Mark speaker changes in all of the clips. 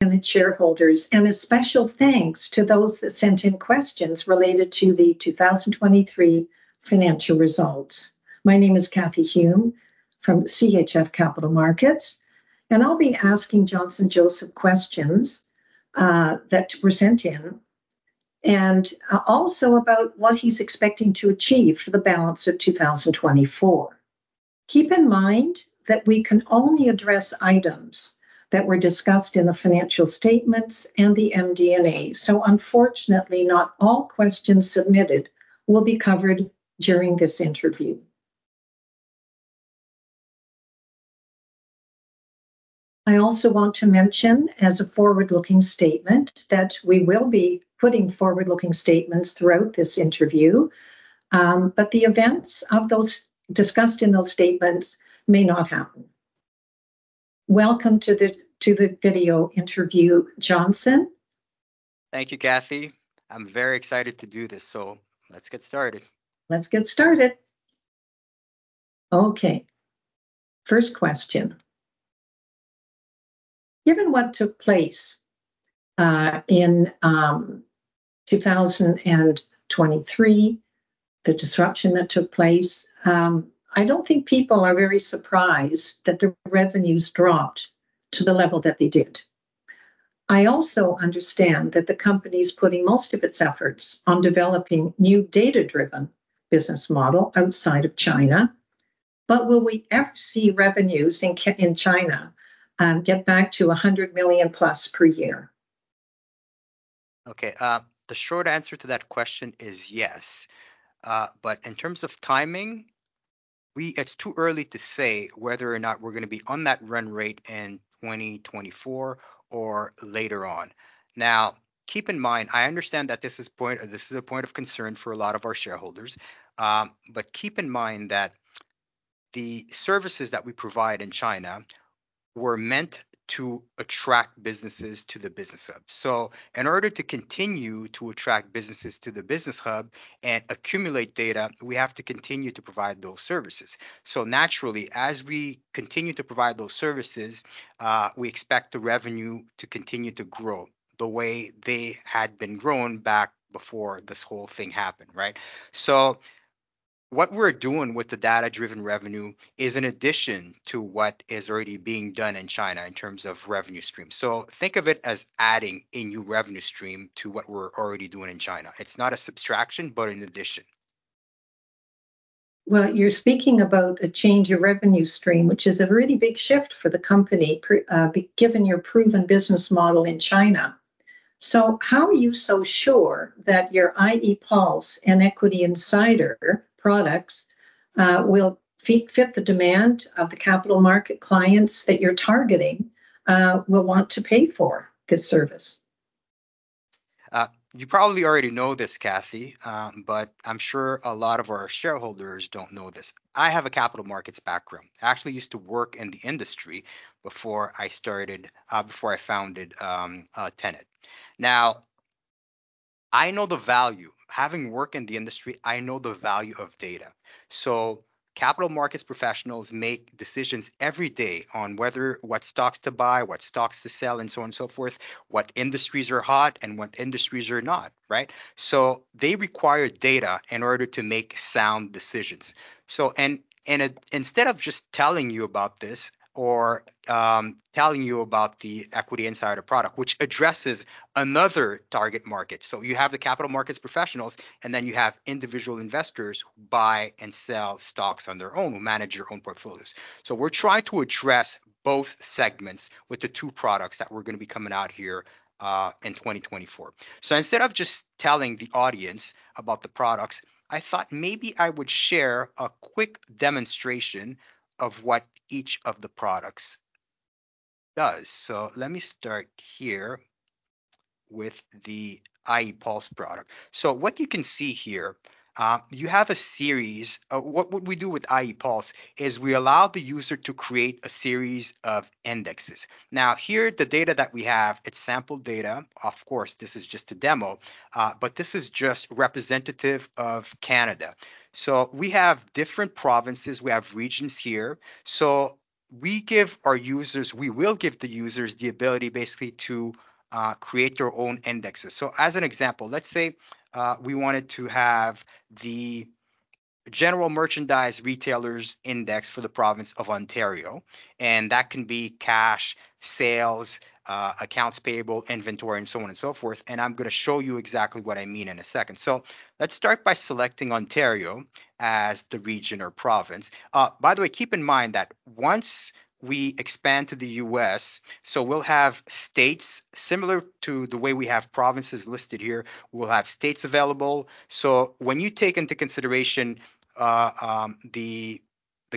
Speaker 1: The shareholders, and a special thanks to those that sent in questions related to the 2023 financial results. My name is Cathy Hume from CHF Capital Markets, and I'll be asking Johnson Joseph questions that were sent in, and also about what he's expecting to achieve for the balance of 2024. Keep in mind that we can only address items that were discussed in the financial statements and the MD&A. So unfortunately, not all questions submitted will be covered during this interview. I also want to mention, as a forward-looking statement, that we will be putting forward-looking statements throughout this interview, but the events of those discussed in those statements may not happen. Welcome to the video interview, Johnson.
Speaker 2: Thank you, Cathy. I'm very excited to do this, so let's get started.
Speaker 1: Let's get started. Okay, first question: Given what took place in 2023, the disruption that took place, I don't think people are very surprised that the revenues dropped to the level that they did. I also understand that the company's putting most of its efforts on developing new data-driven business model outside of China, but will we ever see revenues in China get back to 100 million-plus per year?
Speaker 2: Okay, the short answer to that question is yes. But in terms of timing, it's too early to say whether or not we're gonna be on that run rate in 2024 or later on. Now, keep in mind, I understand that this is a point of concern for a lot of our shareholders. But keep in mind that the services that we provide in China were meant to attract businesses to the Business Hub. So in order to continue to attract businesses to the Business Hub and accumulate data, we have to continue to provide those services. So naturally, as we continue to provide those services, we expect the revenue to continue to grow the way they had been growing back before this whole thing happened, right? So what we're doing with the data-driven revenue is in addition to what is already being done in China in terms of revenue stream. So think of it as adding a new revenue stream to what we're already doing in China. It's not a subtraction, but an addition.
Speaker 1: Well, you're speaking about a change of revenue stream, which is a really big shift for the company, given your proven business model in China. So how are you so sure that your iePulse and Equity Insider products will fit the demand of the capital market clients that you're targeting will want to pay for this service?
Speaker 2: You probably already know this, Cathy, but I'm sure a lot of our shareholders don't know this. I have a capital markets background. I actually used to work in the industry before I founded Tenet. Now, I know the value. Having worked in the industry, I know the value of data. So capital markets professionals make decisions every day on whether what stocks to buy, what stocks to sell, and so on and so forth, what industries are hot, and what industries are not, right? So they require data in order to make sound decisions. Instead of just telling you about this or telling you about the Equity Insider product, which addresses another target market, so you have the capital markets professionals, and then you have individual investors who buy and sell stocks on their own, who manage their own portfolios. So we're trying to address both segments with the two products that we're gonna be coming out here in 2024. So instead of just telling the audience about the products, I thought maybe I would share a quick demonstration of what each of the products does. So let me start here with the iePulse product. So what you can see here, you have a series. What we do with iePulse is we allow the user to create a series of indexes. Now, here, the data that we have, it's sample data. Of course, this is just a demo, but this is just representative of Canada. So we have different provinces, we have regions here. So we give our users—we will give the users the ability, basically, to create their own indexes. So as an example, let's say we wanted to have the general merchandise retailers index for the province of Ontario, and that can be cash, sales, accounts payable, inventory, and so on and so forth, and I'm gonna show you exactly what I mean in a second. So let's start by selecting Ontario as the region or province. By the way, keep in mind that once we expand to the US, so we'll have states similar to the way we have provinces listed here, we'll have states available. So when you take into consideration the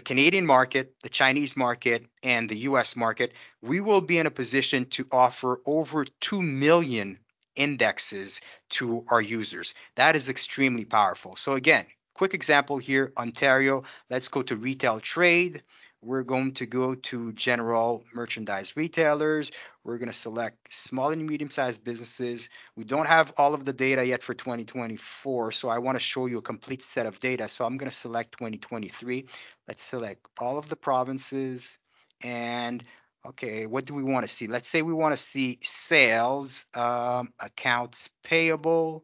Speaker 2: Canadian market, the Chinese market, and the US market, we will be in a position to offer over 2 million indexes to our users. That is extremely powerful. So again, quick example here, Ontario, let's go to retail trade. We're going to go to general merchandise retailers. We're gonna select small and medium-sized businesses. We don't have all of the data yet for 2024, so I wanna show you a complete set of data, so I'm gonna select 2023. Let's select all of the provinces. And okay, what do we wanna see? Let's say we wanna see sales, accounts payable,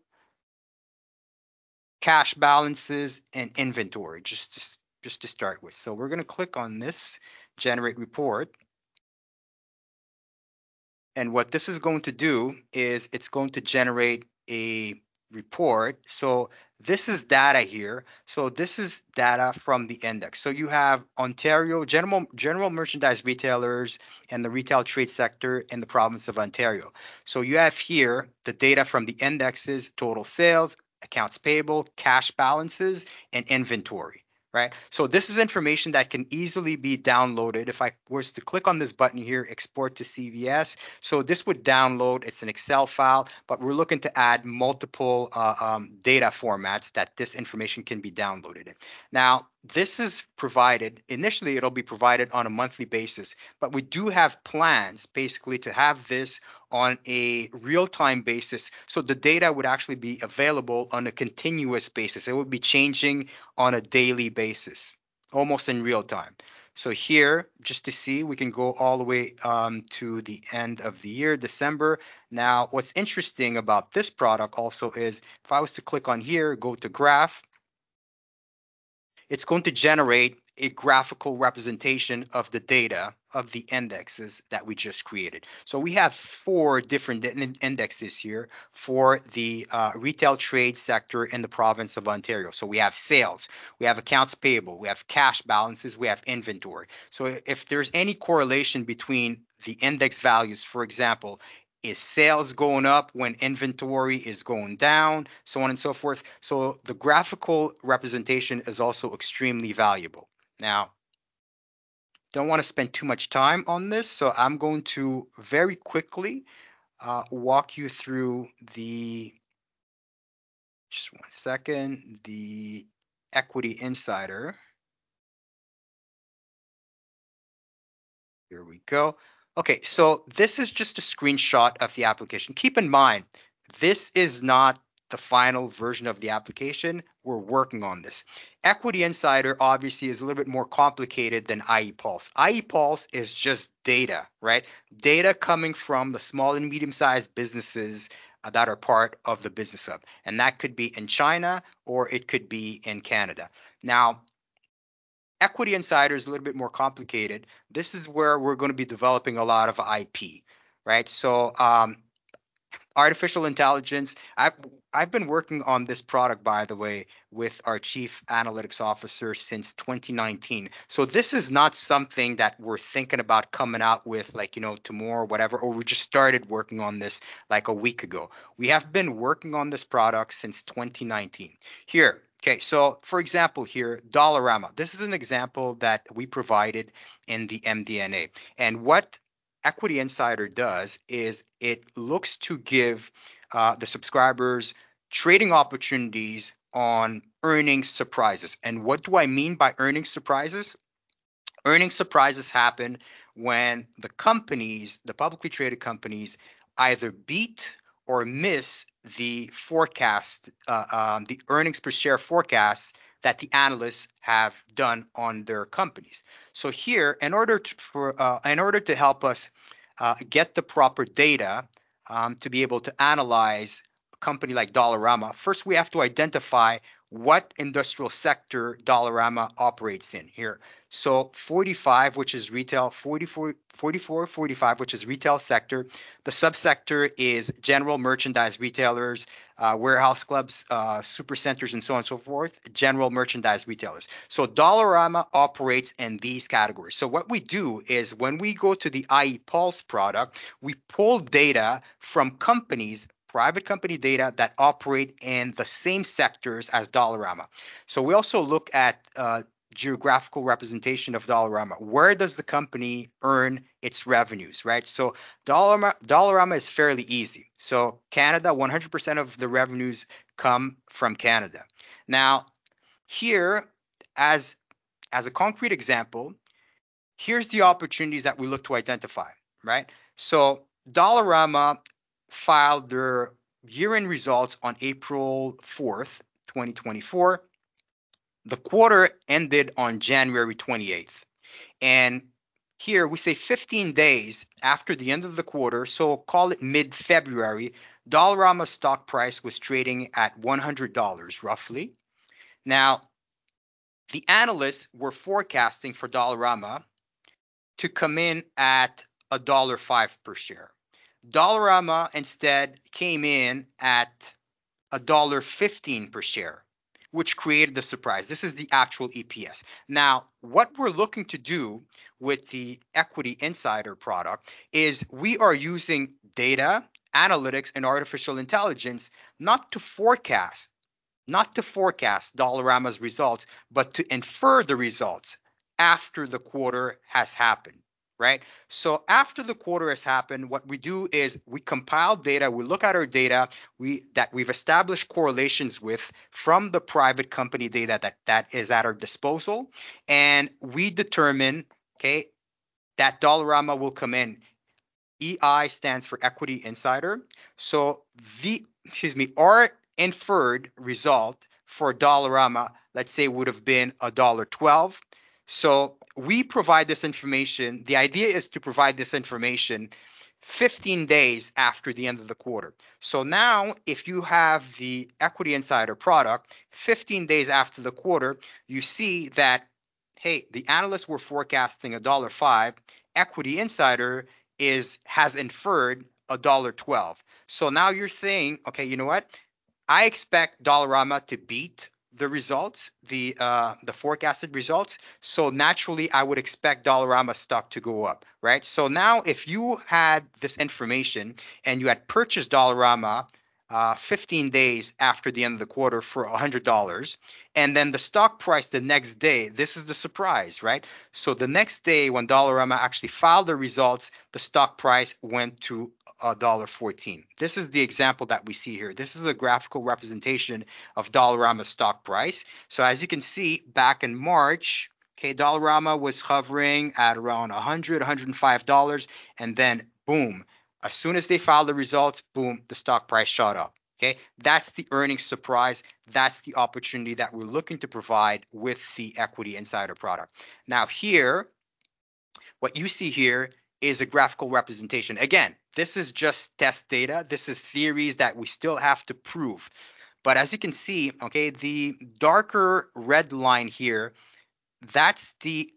Speaker 2: cash balances, and inventory, just to start with. So we're gonna click on this Generate Report. And what this is going to do is it's going to generate a report. So this is data here. This is data from the index. You have Ontario General, General Merchandise Retailers and the retail trade sector in the province of Ontario. You have here the data from the indexes, total sales, accounts payable, cash balances, and inventory, right? This is information that can easily be downloaded. If I was to click on this button here, Export to CSV, this would download. It's an Excel file, but we're looking to add multiple data formats that this information can be downloaded in. Now, this is provided initially. It'll be provided on a monthly basis, but we do have plans basically to have this on a real-time basis, so the data would actually be available on a continuous basis. It would be changing on a daily basis, almost in real time. So here, just to see, we can go all the way to the end of the year, December. Now, what's interesting about this product also is if I was to click on here, go to Graph, it's going to generate a graphical representation of the data of the indexes that we just created. So we have four different indexes here for the retail trade sector in the province of Ontario. So we have sales, we have accounts payable, we have cash balances, we have inventory. So if there's any correlation between the index values, for example, is sales going up when inventory is going down? So on and so forth. So the graphical representation is also extremely valuable. Now, don't wanna spend too much time on this, so I'm going to very quickly walk you through the... Just one second, the Equity Insider. Here we go. Okay, so this is just a screenshot of the application. Keep in mind, this is not the final version of the application. We're working on this. Equity Insider, obviously, is a little bit more complicated than iePulse. iePulse is just data, right? Data coming from the small and medium-sized businesses that are part of the business hub, and that could be in China or it could be in Canada. Now, Equity Insider is a little bit more complicated. This is where we're gonna be developing a lot of IP, right? So, artificial intelligence, I've been working on this product, by the way, with our Chief Analytics Officer since 2019. So this is not something that we're thinking about coming out with, like, you know, tomorrow or whatever, or we just started working on this, like, a week ago. We have been working on this product since 2019. Here, okay, so for example, here, Dollarama. This is an example that we provided in the MD&A. And what Equity Insider does is it looks to give the subscribers trading opportunities on earnings surprises. And what do I mean by earnings surprises? Earnings surprises happen when the companies, the publicly traded companies, either beat or miss the forecast, the earnings per share forecast that the analysts have done on their companies. So here, in order to help us get the proper data to be able to analyze a company like Dollarama, first, we have to identify what industrial sector Dollarama operates in here. So 45, which is retail, 44, 44, 45, which is retail sector. The subsector is general merchandise retailers, warehouse clubs, supercenters, and so on and so forth, general merchandise retailers. So Dollarama operates in these categories. So what we do is when we go to the iePulse product, we pull data from companies, private company data, that operate in the same sectors as Dollarama. So we also look at, geographical representation of Dollarama. Where does the company earn its revenues, right? So Dollarama, Dollarama is fairly easy. So Canada, 100% of the revenues come from Canada. Now, here, as a concrete example, here's the opportunities that we look to identify, right? So Dollarama filed their year-end results on April fourth, 2024. The quarter ended on January twenty-eighth, and here we say 15 days after the end of the quarter, so call it mid-February, Dollarama's stock price was trading at 100 dollars, roughly. Now, the analysts were forecasting for Dollarama to come in at dollar 1.05 per share. Dollarama instead came in at dollar 1.15 per share, which created the surprise. This is the actual EPS. Now, what we're looking to do with the Equity Insider product is we are using data, analytics, and artificial intelligence not to forecast, not to forecast Dollarama's results, but to infer the results after the quarter has happened, right? So after the quarter has happened, what we do is we compile data, we look at our data that we've established correlations with from the private company data that is at our disposal, and we determine, okay, that Dollarama will come in. EI stands for Equity Insider. So excuse me, our inferred result for Dollarama, let's say, would've been dollar 1.12. So we provide this information, the idea is to provide this information 15 days after the end of the quarter. So now, if you have the Equity Insider product, 15 days after the quarter, you see that, hey, the analysts were forecasting dollar 1.05, Equity Insider is, has inferred dollar 1.12. So now you're saying, "Okay, you know what? I expect Dollarama to beat the results, the forecasted results, so naturally, I would expect Dollarama's stock to go up," right? So now, if you had this information, and you had purchased Dollarama 15 days after the end of the quarter for 100 dollars, and then the stock price the next day, this is the surprise, right? So the next day, when Dollarama actually filed the results, the stock price went to dollar 1.14. This is the example that we see here. This is a graphical representation of Dollarama's stock price. So as you can see, back in March, okay, Dollarama was hovering at around 100 to 105 dollars, and then, boom! As soon as they filed the results, boom, the stock price shot up, okay? That's the earnings surprise, that's the opportunity that we're looking to provide with the Equity Insider product. Now, here, what you see here is a graphical representation. Again, this is just test data. This is theories that we still have to prove. But as you can see, okay, the darker red line here, that's the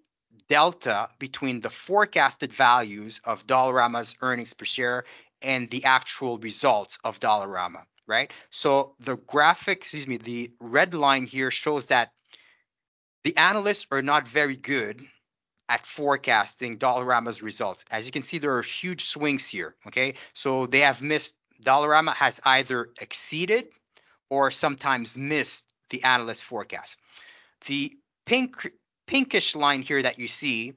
Speaker 2: delta between the forecasted values of Dollarama's earnings per share and the actual results of Dollarama, right? So the graphic... excuse me, the red line here shows that the analysts are not very good at forecasting Dollarama's results. As you can see, there are huge swings here, okay? So they have missed—Dollarama has either exceeded or sometimes missed the analyst forecast. The pink, pinkish line here that you see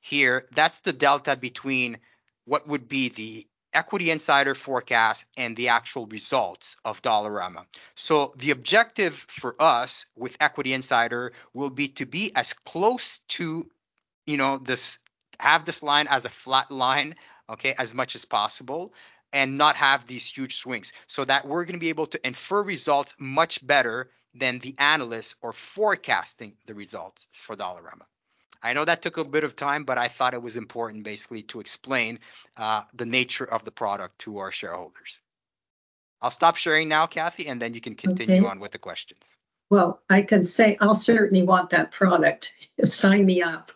Speaker 2: here, that's the delta between what would be the Equity Insider forecast and the actual results of Dollarama. So the objective for us, with Equity Insider, will be to be as close to, you know, this—have this line as a flat line, okay, as much as possible, and not have these huge swings, so that we're gonna be able to infer results much better than the analysts are forecasting the results for Dollarama. I know that took a bit of time, but I thought it was important basically to explain the nature of the product to our shareholders. I'll stop sharing now, Cathy, and then you can continue.
Speaker 1: Okay...
Speaker 2: on with the questions.
Speaker 1: Well, I can say I'll certainly want that product. Sign me up.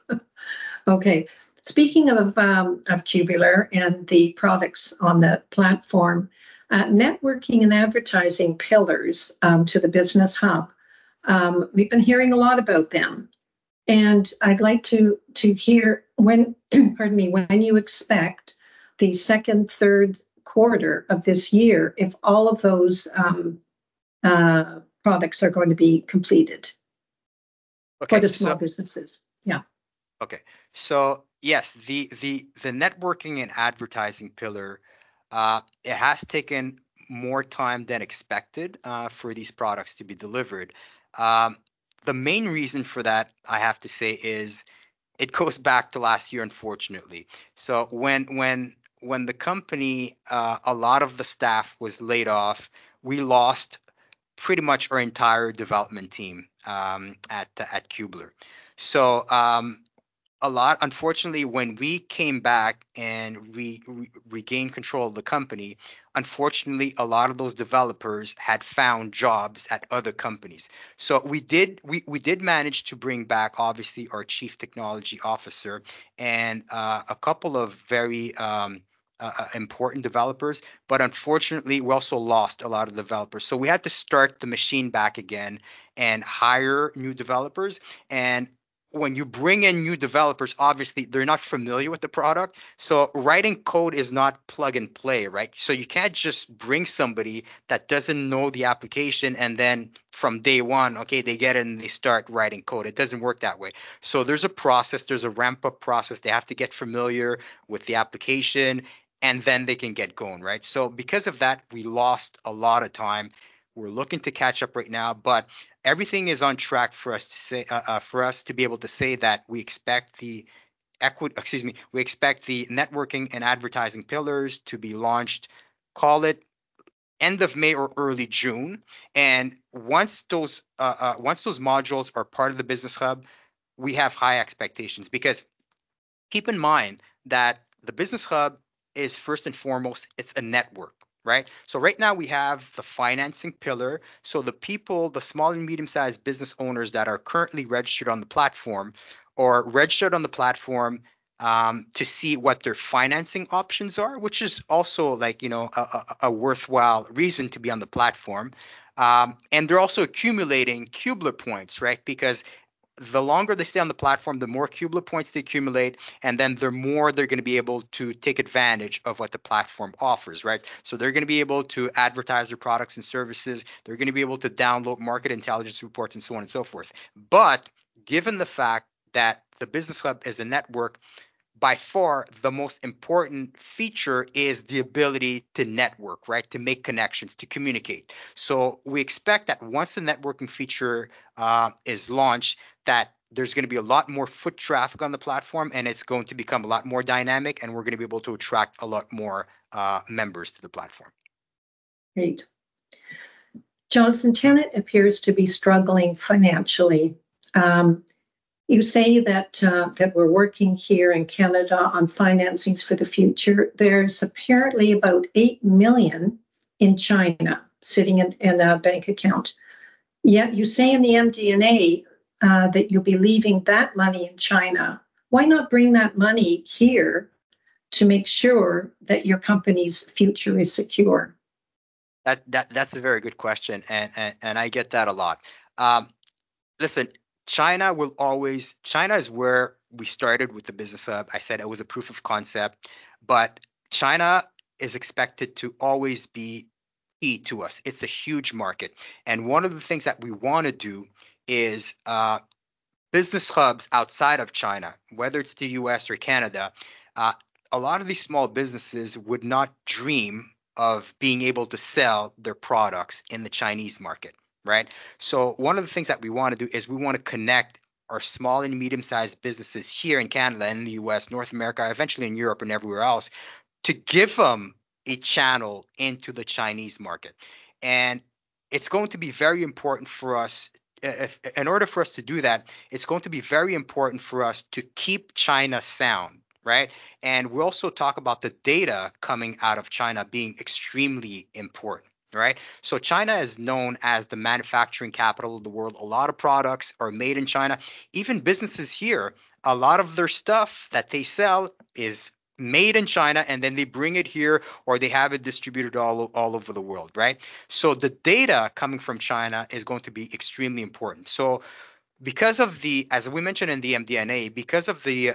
Speaker 1: Okay, speaking of, of Cubeler and the products on the platform, networking and advertising pillars, to the Business Hub, we've been hearing a lot about them, and I'd like to, to hear when, pardon me, when you expect the second, Q3 of this year, if all of those products are going to be completed? Yeah.
Speaker 2: Okay. So yes, the networking and advertising pillar, it has taken more time than expected, for these products to be delivered. The main reason for that, I have to say, is it goes back to last year, unfortunately. So when the company, a lot of the staff was laid off, we lost pretty much our entire development team, at Cubeler. So, unfortunately, when we came back and we regained control of the company, unfortunately, a lot of those developers had found jobs at other companies. So we did manage to bring back, obviously, our Chief Technology Officer and, a couple of very important developers, but unfortunately, we also lost a lot of developers. So we had to start the machine back again and hire new developers, and when you bring in new developers, obviously, they're not familiar with the product, so writing code is not plug and play, right? So you can't just bring somebody that doesn't know the application, and then from day one, okay, they get in, they start writing code. It doesn't work that way. So there's a process, there's a ramp-up process. They have to get familiar with the application, and then they can get going, right? So because of that, we lost a lot of time. We're looking to catch up right now, but everything is on track for us to say, for us to be able to say that we expect the networking and advertising pillars to be launched, call it end of May or early June. Once those modules are part of the Business Hub, we have high expectations. Because keep in mind that the Business Hub is first and foremost, it's a network, right? So right now, we have the financing pillar, so the people, the small and medium-sized business owners that are currently registered on the platform or registered on the platform, to see what their financing options are, which is also like, you know, a worthwhile reason to be on the platform. And they're also accumulating Cubeler Points, right? Because the longer they stay on the platform, the more Cubeler Points they accumulate, and then the more they're gonna be able to take advantage of what the platform offers, right? So they're gonna be able to advertise their products and services, they're gonna be able to download market intelligence reports, and so on and so forth. But given the fact that the Business Hub is a network, by far, the most important feature is the ability to network, right? To make connections, to communicate. So we expect that once the networking feature is launched, that there's gonna be a lot more foot traffic on the platform, and it's going to become a lot more dynamic, and we're gonna be able to attract a lot more members to the platform.
Speaker 1: Great.... Johnson, Tenet appears to be struggling financially. You say that that we're working here in Canada on financings for the future. There's apparently about 8 million in China sitting in a bank account, yet you say in the MD&A that you'll be leaving that money in China. Why not bring that money here to make sure that your company's future is secure?
Speaker 2: That's a very good question, and I get that a lot. Listen, China will always... China is where we started with the business hub. I said it was a proof of concept, but China is expected to always be key to us. It's a huge market, and one of the things that we want to do is business hubs outside of China, whether it's the US or Canada, a lot of these small businesses would not dream of being able to sell their products in the Chinese market, right? So one of the things that we want to do is we want to connect our small and medium-sized businesses here in Canada and the US, North America, eventually in Europe and everywhere else, to give them a channel into the Chinese market. And it's going to be very important for us, if... In order for us to do that, it's going to be very important for us to keep China sound, right? We also talk about the data coming out of China being extremely important, right? China is known as the manufacturing capital of the world. A lot of products are made in China. Even businesses here, a lot of their stuff that they sell is made in China, and then they bring it here, or they have it distributed all over the world, right? The data coming from China is going to be extremely important. So because of the... As we mentioned in the MD&A, because of the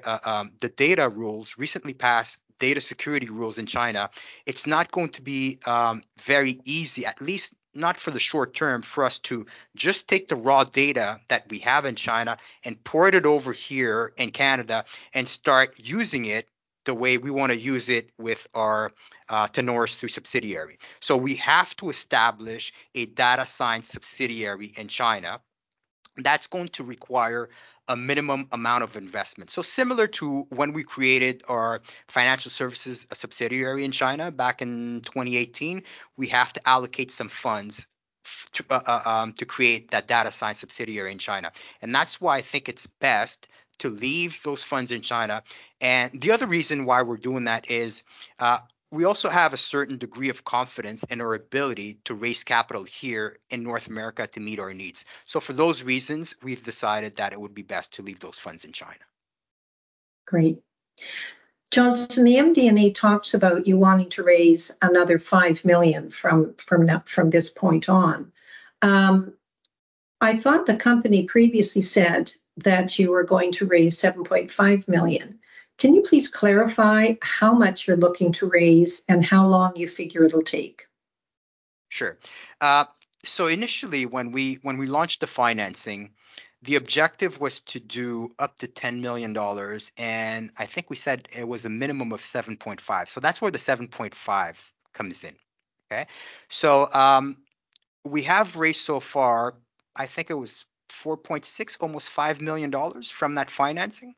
Speaker 2: data rules, recently passed data security rules in China, it's not going to be very easy, at least not for the short term, for us to just take the raw data that we have in China and port it over here in Canada, and start using it the way we want to use it with our Tenet through subsidiary. So we have to establish a data science subsidiary in China. That's going to require a minimum amount of investment. So similar to when we created our financial services subsidiary in China back in 2018, we have to allocate some funds to create that data science subsidiary in China, and that's why I think it's best to leave those funds in China. The other reason why we're doing that is, we also have a certain degree of confidence in our ability to raise capital here in North America to meet our needs. For those reasons, we've decided that it would be best to leave those funds in China.
Speaker 1: Great. Johnson, the MD&A talks about you wanting to raise another 5 million from now, from this point on. I thought the company previously said that you were going to raise 7.5 million. Can you please clarify how much you're looking to raise and how long you figure it'll take?
Speaker 2: Sure. So initially, when we launched the financing, the objective was to do up to 10 million dollars, and I think we said it was a minimum of 7.5. So that's where the 7.5 comes in, okay? So, we have raised so far, I think it was 4.6, almost 5 million dollars from that financing.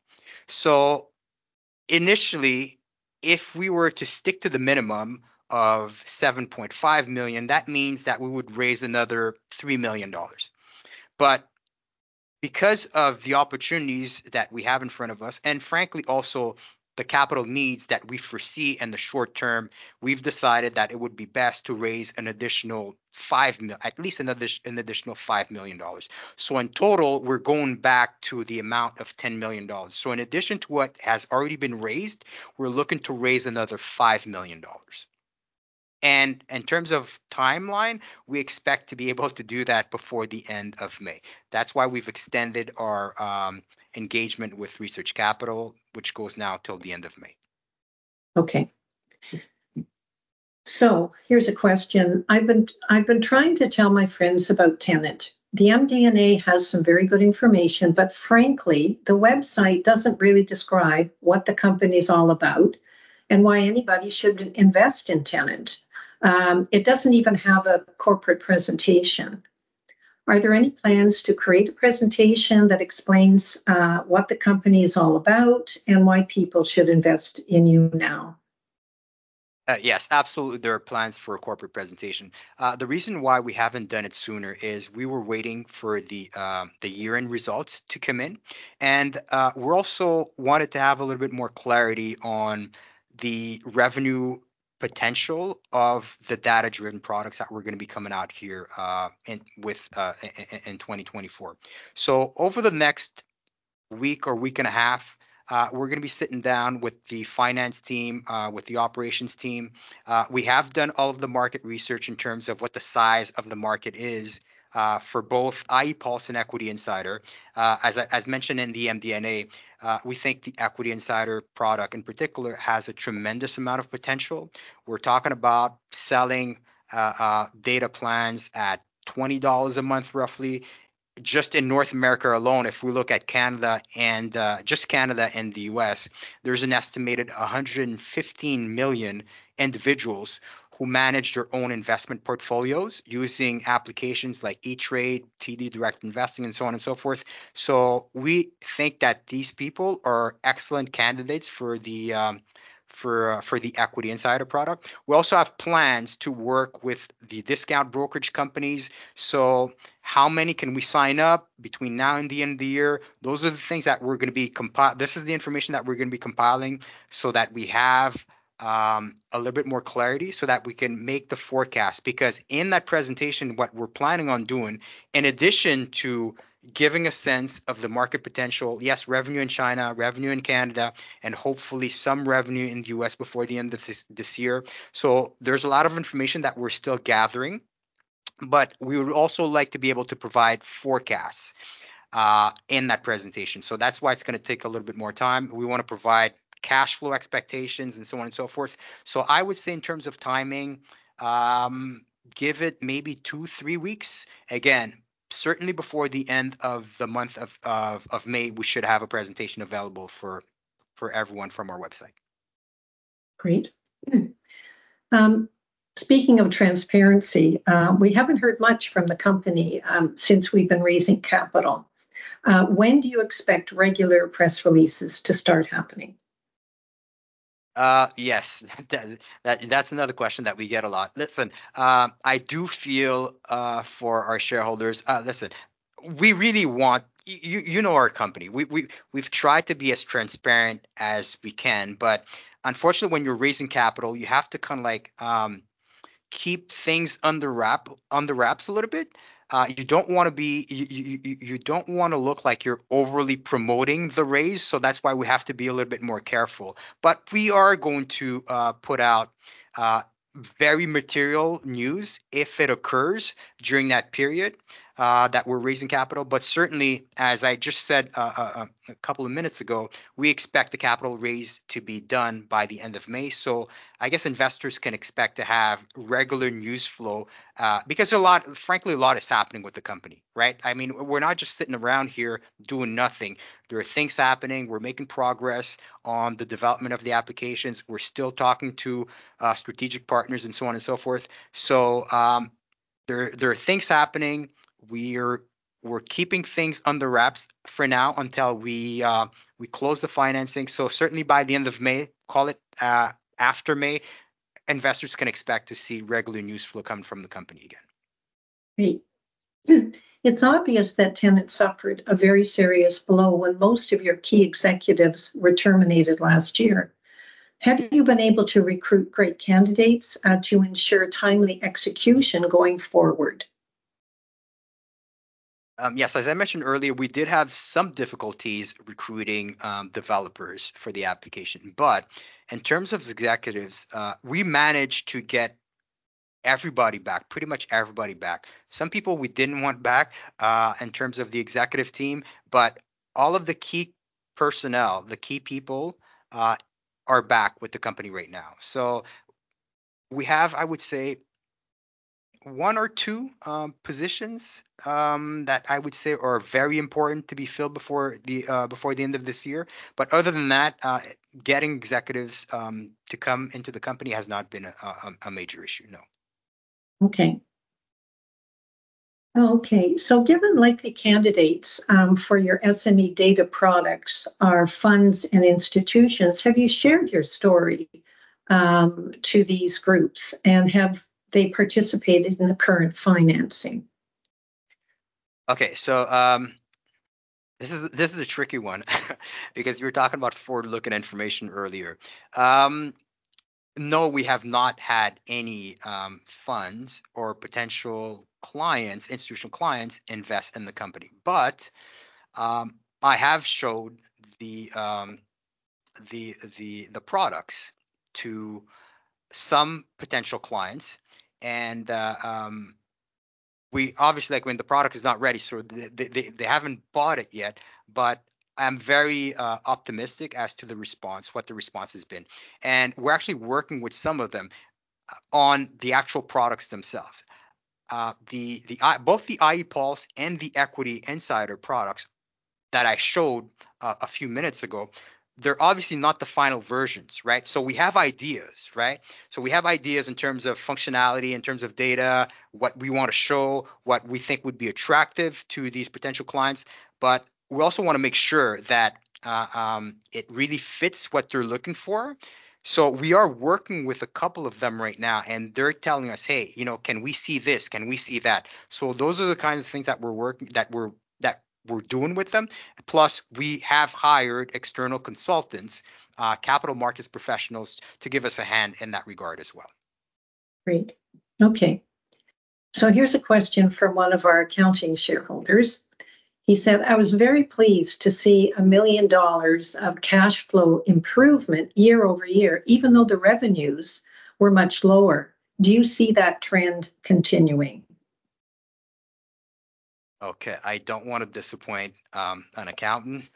Speaker 2: So initially, if we were to stick to the minimum of 7.5 million, that means that we would raise another 3 million dollars. But because of the opportunities that we have in front of us and, frankly, also the capital needs that we foresee in the short term, we've decided that it would be best to raise at least an additional 5 million dollars. So in total, we're going back to the amount of 10 million dollars. In addition to what has already been raised, we're looking to raise another 5 million dollars. In terms of timeline, we expect to be able to do that before the end of May. That's why we've extended our engagement with Research Capital, which goes now till the end of May.
Speaker 1: Okay. So here's a question. "I've been trying to tell my friends about Tenet. The MD&A has some very good information, but frankly, the website doesn't really describe what the company's all about and why anybody should invest in Tenet. It doesn't even have a corporate presentation. Are there any plans to create a presentation that explains what the company is all about and why people should invest in you now?
Speaker 2: Yes, absolutely, there are plans for a corporate presentation. The reason why we haven't done it sooner is we were waiting for the year-end results to come in, and we're also wanted to have a little bit more clarity on the revenue potential of the data-driven products that we're gonna be coming out here in 2024. So over the next week or week and a half, we're gonna be sitting down with the finance team, with the operations team. We have done all of the market research in terms of what the size of the market is, for both iePulse and Equity Insider. As mentioned in the MD&A, we think the Equity Insider product, in particular, has a tremendous amount of potential. We're talking about selling data plans at 20 dollars a month, roughly just in North America alone, if we look at Canada and just Canada and the US, there's an estimated 115 million individuals who manage their own investment portfolios using applications like E*TRADE, TD Direct Investing, and so on and so forth. So we think that these people are excellent candidates for the Equity Insider product. We also have plans to work with the discount brokerage companies. So how many can we sign up between now and the end of the year? Those are the things that we're gonna be compiling. This is the information that we're gonna be compiling so that we have a little bit more clarity, so that we can make the forecast. Because in that presentation, what we're planning on doing, in addition to giving a sense of the market potential... Yes, revenue in China, revenue in Canada, and hopefully some revenue in the US before the end of this year. So there's a lot of information that we're still gathering, but we would also like to be able to provide forecasts in that presentation. So that's why it's gonna take a little bit more time. We wanna provide cash flow expectations, and so on and so forth. So I would say in terms of timing, give it maybe 2 to 3 weeks. Again, certainly before the end of the month of May, we should have a presentation available for everyone from our website.
Speaker 1: Great. Speaking of transparency, we haven't heard much from the company, since we've been raising capital. When do you expect regular press releases to start happening?
Speaker 2: Yes, that, that's another question that we get a lot. Listen, I do feel for our shareholders. Listen, we really want you, you know our company. We've tried to be as transparent as we can, but unfortunately, when you're raising capital, you have to kind of like keep things under wraps a little bit. You don't wanna be you don't wanna look like you're overly promoting the raise, so that's why we have to be a little bit more careful. But we are going to put out very material news if it occurs during that period that we're raising capital. But certainly, as I just said a couple of minutes ago, we expect the capital raise to be done by the end of May. So I guess investors can expect to have regular news flow, because a lot... frankly, a lot is happening with the company, right? I mean, we're not just sitting around here doing nothing. There are things happening. We're making progress on the development of the applications. We're still talking to strategic partners, and so on and so forth. So, there are things happening. We're keeping things under wraps for now until we close the financing. So certainly by the end of May, call it, after May, investors can expect to see regular news flow coming from the company again.
Speaker 1: Great. It's obvious that Tenet suffered a very serious blow when most of your key executives were terminated last year. Have you been able to recruit great candidates, to ensure timely execution going forward?
Speaker 2: Yes, as I mentioned earlier, we did have some difficulties recruiting developers for the application, but in terms of executives, we managed to get everybody back, pretty much everybody back. Some people we didn't want back in terms of the executive team, but all of the key personnel, the key people, are back with the company right now. So we have, I would say, one or two positions that I would say are very important to be filled before the end of this year. But other than that, getting executives to come into the company has not been a major issue, no.
Speaker 1: Okay. Okay, so given likely candidates for your SME data products are funds and institutions, have you shared your story to these groups, and have they participated in the current financing?
Speaker 2: Okay, so this is a tricky one, because we were talking about forward-looking information earlier. No, we have not had any funds or potential clients, institutional clients, invest in the company. But I have showed the products to some potential clients, and obviously, like, when the product is not ready, so they haven't bought it yet, but I'm very optimistic as to the response, what the response has been. And we're actually working with some of them on the actual products themselves. Both the iePulse and the Equity Insider products that I showed a few minutes ago, they're obviously not the final versions, right? So we have ideas, right? So we have ideas in terms of functionality, in terms of data, what we wanna show, what we think would be attractive to these potential clients, but we also wanna make sure that it really fits what they're looking for. So we are working with a couple of them right now, and they're telling us, "Hey, you know, can we see this? Can we see that?" So those are the kinds of things that we're working, that we're doing with them. Plus, we have hired external consultants, capital markets professionals, to give us a hand in that regard as well.
Speaker 1: Great. Okay, so here's a question from one of our accounting shareholders. He said: "I was very pleased to see 1 million dollars of cash flow improvement year-over-year, even though the revenues were much lower. Do you see that trend continuing?
Speaker 2: Okay, I don't wanna disappoint an accountant,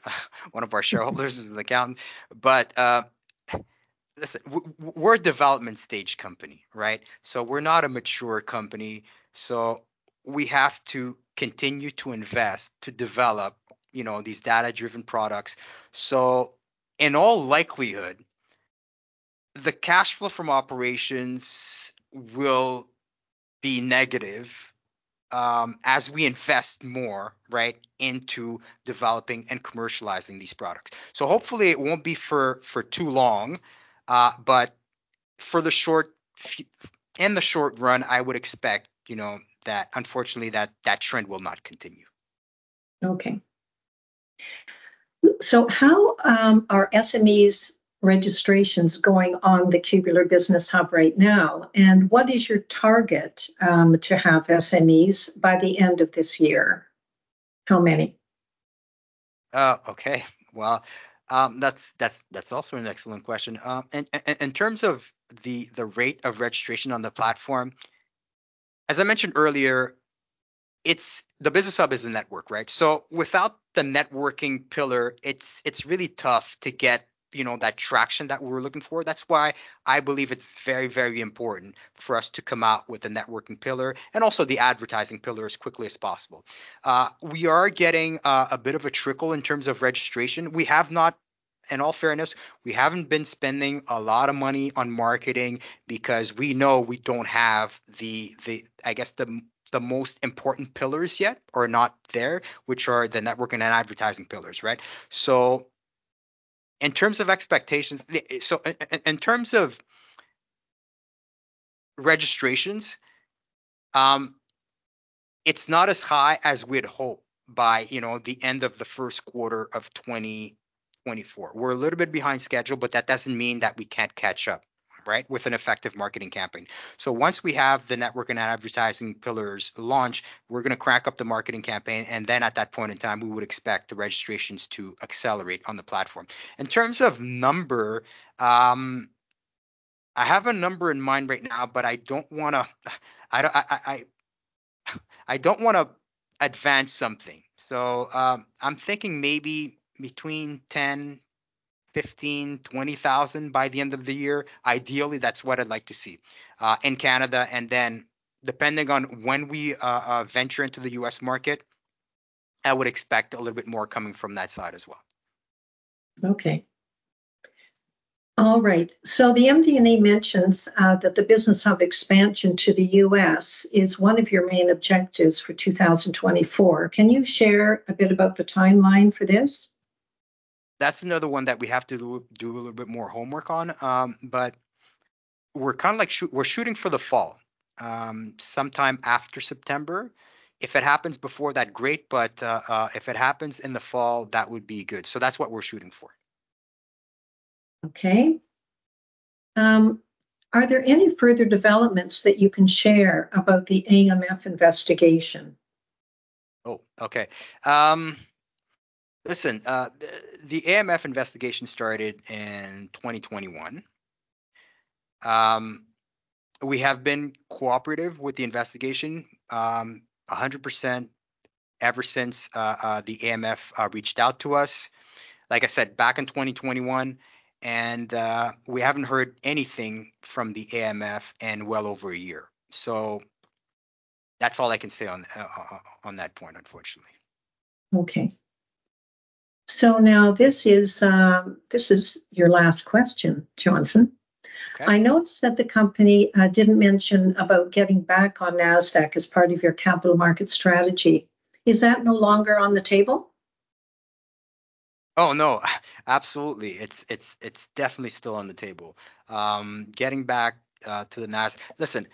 Speaker 2: one of our shareholders is an accountant. But listen, we're a development stage company, right? So we're not a mature company, so we have to continue to invest to develop, you know, these data-driven products. So in all likelihood, the cash flow from operations will be negative as we invest more, right, into developing and commercializing these products. So hopefully it won't be for too long, but in the short run, I would expect, you know, that unfortunately, that trend will not continue.
Speaker 1: Okay. So how are SMEs registrations going on the Cubeler Business Hub right now, and what is your target to have SMEs by the end of this year? How many?
Speaker 2: Okay. Well, that's also an excellent question. And in terms of the rate of registration on the platform, as I mentioned earlier, it's the Business Hub is a network, right? So without the networking pillar, it's really tough to get, you know, that traction that we're looking for. That's why I believe it's very, very important for us to come out with a networking pillar and also the advertising pillar as quickly as possible. We are getting a bit of a trickle in terms of registration. We have not, in all fairness, we haven't been spending a lot of money on marketing because we know we don't have the, I guess, the most important pillars yet or not there, which are the networking and advertising pillars, right? So in terms of expectations, in terms of registrations, it's not as high as we'd hoped by, you know, the end of the Q1 of 2024. We're a little bit behind schedule, but that doesn't mean that we can't catch up, right, with an effective marketing campaign. So once we have the network and advertising pillars launched, we're gonna ramp up the marketing campaign, and then at that point in time, we would expect the registrations to accelerate on the platform. In terms of number, I have a number in mind right now, but I don't wanna advance something. So, I'm thinking maybe between 10,000, 15,000, 20,000 by the end of the year. Ideally, that's what I'd like to see in Canada, and then depending on when we venture into the US market, I would expect a little bit more coming from that side as well.
Speaker 1: Okay. All right, so the MD&A mentions that the Business Hub expansion to the US is one of your main objectives for 2024. Can you share a bit about the timeline for this?
Speaker 2: That's another one that we have to do a little bit more homework on. But we're kind of like we're shooting for the fall, sometime after September. If it happens before that, great, but if it happens in the fall, that would be good. So that's what we're shooting for.
Speaker 1: Okay. Are there any further developments that you can share about the AMF investigation?
Speaker 2: Oh, okay. Listen, the AMF investigation started in 2021. We have been cooperative with the investigation, 100% ever since, the AMF reached out to us, like I said, back in 2021, and, we haven't heard anything from the AMF in well over a year, so that's all I can say on that point, unfortunately.
Speaker 1: Okay. So now this is your last question, Johnson.
Speaker 2: Okay.
Speaker 1: I noticed that the company didn't mention about getting back on NASDAQ as part of your capital market strategy. Is that no longer on the table?
Speaker 2: Oh, no, absolutely. It's definitely still on the table, getting back to the NASDAQ. Listen,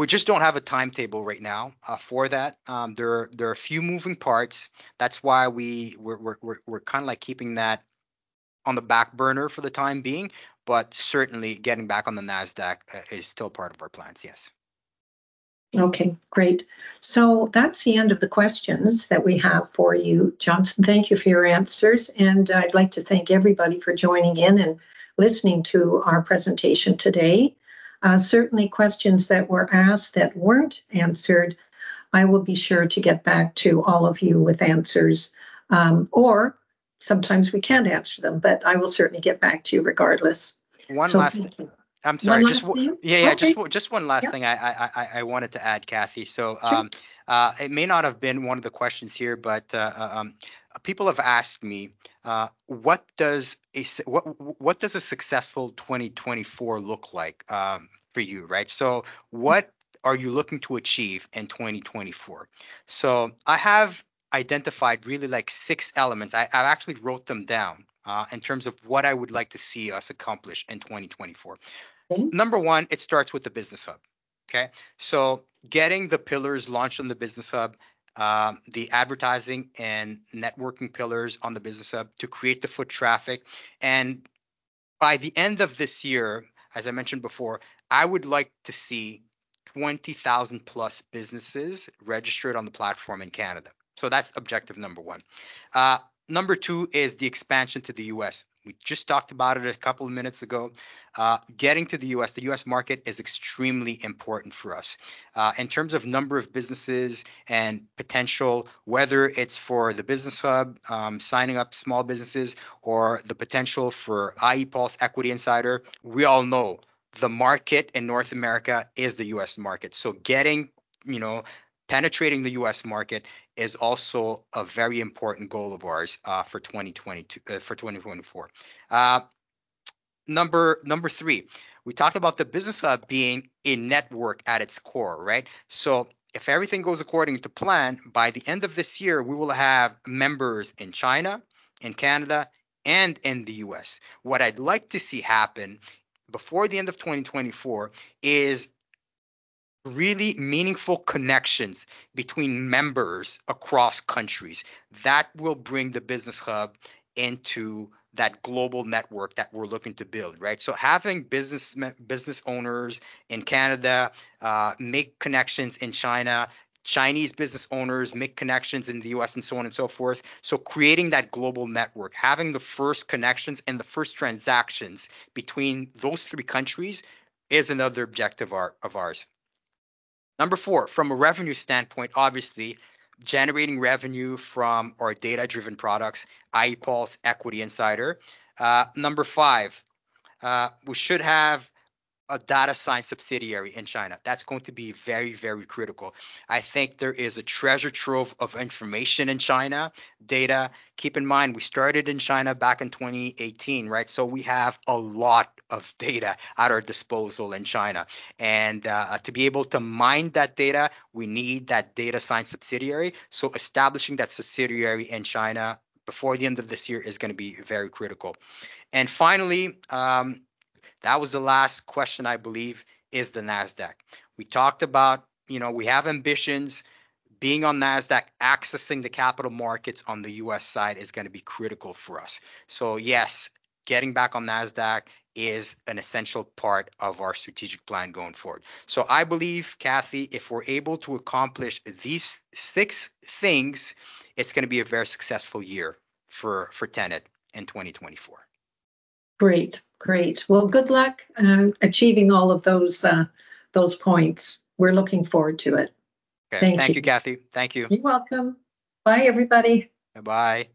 Speaker 2: we just don't have a timetable right now for that. There are a few moving parts, that's why we're kind of like keeping that on the back burner for the time being, but certainly getting back on the NASDAQ is still part of our plans, yes.
Speaker 1: Okay, great. So that's the end of the questions that we have for you, Johnson. Thank you for your answers, and I'd like to thank everybody for joining in and listening to our presentation today. Certainly questions that were asked that weren't answered, I will be sure to get back to all of you with answers, or sometimes we can't answer them, but I will certainly get back to you regardless.
Speaker 2: One last thing.
Speaker 1: Thank you.
Speaker 2: I'm sorry, just-
Speaker 1: One last thing.
Speaker 2: Yeah, yeah.
Speaker 1: Okay.
Speaker 2: Just one last thing-
Speaker 1: Yeah...
Speaker 2: I wanted to add, Cathy.
Speaker 1: Sure.
Speaker 2: So, it may not have been one of the questions here, but, people have asked me, "What does a successful 2024 look like, for you," right? "So what are you looking to achieve in 2024?" So I have identified really like six elements. I've actually wrote them down, in terms of what I would like to see us accomplish in 2024.
Speaker 1: Okay.
Speaker 2: 1, it starts with the Business Hub. Okay? So getting the pillars launched on the Business Hub, the advertising and networking pillars on the Business Hub to create the foot traffic, and by the end of this year, as I mentioned before, I would like to see 20,000+ businesses registered on the platform in Canada. So that's objective number 1. 2 is the expansion to the US We just talked about it a couple of minutes ago. Getting to the US, the US market is extremely important for us, in terms of number of businesses and potential, whether it's for the Business Hub, signing up small businesses, or the potential for iePulse Equity Insider. We all know the market in North America is the US market, so getting-... You know, penetrating the US market is also a very important goal of ours, for 2024. Number three, we talked about the Business Hub being a network at its core, right? So if everything goes according to plan, by the end of this year, we will have members in China, in Canada, and in the US What I'd like to see happen before the end of 2024 is really meaningful connections between members across countries. That will bring the Business Hub into that global network that we're looking to build, right? So having business owners in Canada make connections in China, Chinese business owners make connections in the US, and so on and so forth. So creating that global network, having the first connections and the first transactions between those three countries is another objective of ours. Number four, from a revenue standpoint, obviously, generating revenue from our data-driven products, iePulse, Equity Insider. Number five, we should have a data science subsidiary in China. That's going to be very, very critical. I think there is a treasure trove of information in China, data. Keep in mind, we started in China back in 2018, right? So we have a lot of data at our disposal in China, and to be able to mine that data, we need that data science subsidiary. So establishing that subsidiary in China before the end of this year is gonna be very critical. And finally, that was the last question, I believe, is the NASDAQ. We talked about, you know, we have ambitions. Being on NASDAQ, accessing the capital markets on the US side is gonna be critical for us. So yes, getting back on NASDAQ is an essential part of our strategic plan going forward. So I believe, Cathy, if we're able to accomplish these six things, it's gonna be a very successful year for Tenet in 2024.
Speaker 1: Great. Great. Well, good luck achieving all of those points. We're looking forward to it. Thank you.
Speaker 2: Thank you, Cathy. Thank you.
Speaker 1: You're welcome. Bye, everybody.
Speaker 2: Bye-bye.